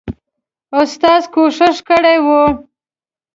استازي کوښښ کړی وو.